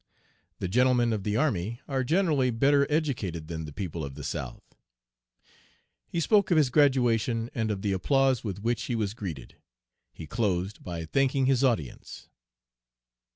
The gentlemen of the army are generally better educated than the people of the South.' "He spoke of his graduation and of the applause with which he was greeted. He closed by thanking his audience.